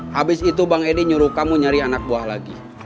habis itu bang edi nyuruh kamu nyari anak buah lagi